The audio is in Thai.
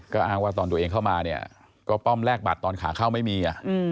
ก็อ้างว่าตอนตัวเองเข้ามาเนี่ยก็ป้อมแลกบัตรตอนขาเข้าไม่มี